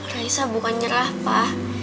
raisa bukan nyerah pa